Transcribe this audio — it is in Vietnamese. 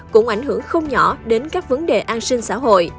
cũng ảnh hưởng không nhỏ đến các vấn đề an sinh xã hội